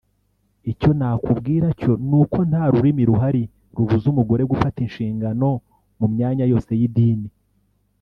Icyo nakubwira cyo ni uko nta rurimi ruhari rubuza umugore gufata inshingano mu myanya yose y’idini